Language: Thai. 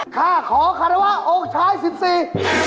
ข้าขอคารวะองค์ชายสิบสี่